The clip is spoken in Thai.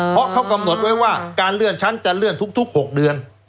เพราะเขากำหนดไว้ว่าการเลื่อนชั้นจะเลื่อนทุก๖เดือน